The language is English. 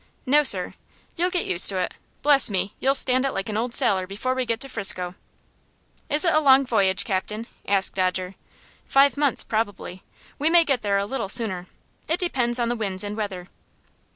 "No, sir." "You'll get used to it. Bless me, you'll stand it like an old sailor before we get to 'Frisco." "Is it a long voyage, captain?" asked Dodger. "Five months, probably. We may get there a little sooner. It depends on the winds and weather."